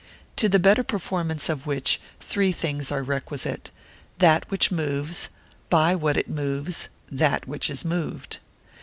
To the better performance of which, three things are requisite: that which moves; by what it moves; that which is moved.